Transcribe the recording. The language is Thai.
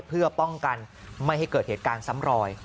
เพื่อป้องกันไม่ให้เกิดเหตุการณ์ซ้ำรอย